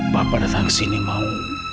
bapak datang ke sini mau